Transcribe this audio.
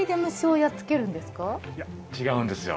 いや違うんですよ。